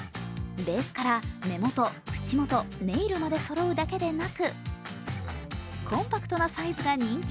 ベースから目元、口元、ネイルまでそろうだけでなく、コンパクトなサイズが人気。